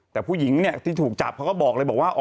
แต่ผู้หญิงเนี่ยที่ถูกจับเขาก็บอกเลยบอกว่า